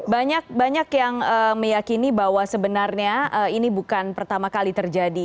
banyak banyak yang meyakini bahwa sebenarnya ini bukan pertama kali terjadi